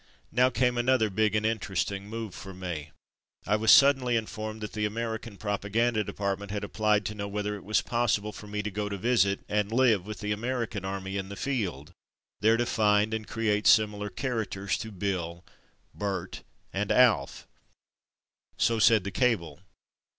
Now came another big and interesting move for me. I was suddenly informed that the American Propaganda Department had applied to know whether it was possible for me to go to visit, and live with the Amer ican Army in the field, there to find and create similar characters to ''Bill,'' "Bert," and ''Alf." So said the cable.